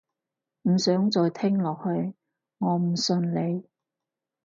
唔想再聽落去，我唔信你